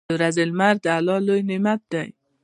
• د ورځې لمر د الله لوی نعمت دی.